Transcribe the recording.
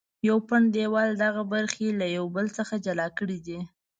یو پنډ دیوال دغه برخې له یو بل څخه جلا کړې دي.